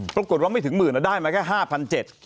ปรากฏว่าไม่ถึงหมื่นได้มาแค่๕๗๐๐บาท